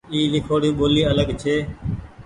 اي ليکوڙي ٻولي آلگ ڇي۔